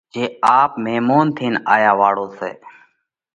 جي آپ ميمونَ ٿينَ آيا واۯا سئہ۔